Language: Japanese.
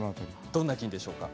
どんな菌でしょうか？